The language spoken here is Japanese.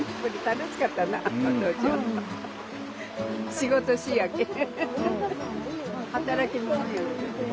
仕事しいやけん。